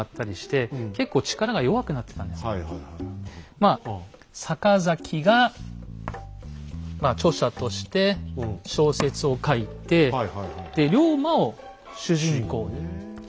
まあ坂崎が著者として小説を書いて龍馬を主人公にしたわけですね。